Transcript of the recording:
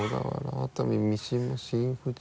熱海三島新富士